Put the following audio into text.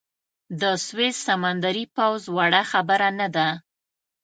د سویس سمندري پوځ وړه خبره نه ده.